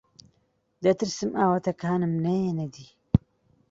دەترسم ئاواتەکانم نەیەنە دی.